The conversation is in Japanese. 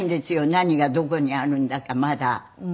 何がどこにあるんだかまだ。